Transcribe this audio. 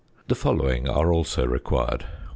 The following are also required: 1.